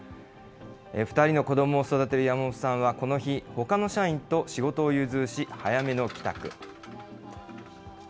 ２人の子どもを育てる山本さんは、この日、ほかの社員と仕事を融通し、早めの帰宅。